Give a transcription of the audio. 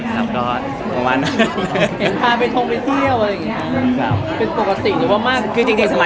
อเจมส์ออกไว้กับท่านเดิม